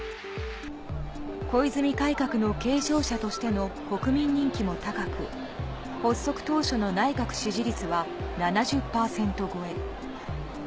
小泉改革の継承者としての国民人気も高く、発足当初の内閣支持率は７０％超え。